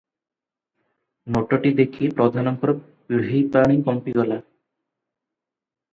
ନୋଟଟି ଦେଖି ପ୍ରଧାନଙ୍କର ପିହ୍ଳେଇ କମ୍ପିଗଲା ।